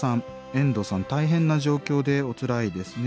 「エンドウさん大変な状況でおつらいですね。